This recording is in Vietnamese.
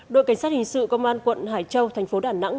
đội cảnh sát hình sự công an quận hải châu thành phố đà nẵng